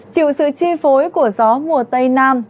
chịu sự chi phối của gió mùa tây nam